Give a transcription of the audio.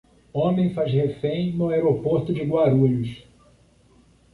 Homem faz refém no aeroporto de Guarulhos